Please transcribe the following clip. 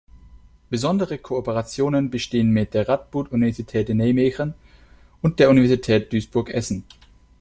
Besondere Kooperationen bestehen mit der Radboud-Universität Nijmegen und der Universität Duisburg-Essen.